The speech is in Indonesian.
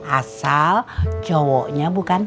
asal cowoknya bukan kamu